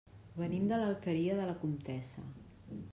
Venim de l'Alqueria de la Comtessa.